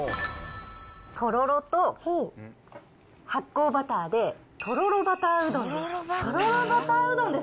とろろと発酵バターで、とろろバターうどんです。